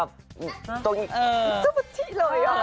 เขินแบบตรงที่เลย